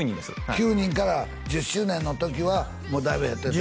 ９人から１０周年の時はもうだいぶ減ってたんや？